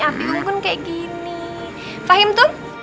api unggun kayak gini fahim tuh